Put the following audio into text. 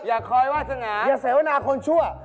อย่าคอยวาสนาอย่าเสวนาคนชั่ว